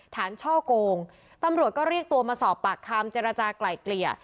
ช่อกงตำรวจก็เรียกตัวมาสอบปากคำเจรจากลายเกลี่ย